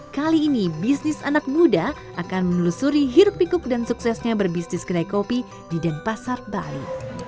kali ini bisnis anak muda akan menelusuri hirup pikuk dan suksesnya berbisnis kedai kopi di denpasar bali